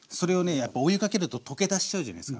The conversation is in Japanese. やっぱお湯かけると溶け出しちゃうじゃないすか。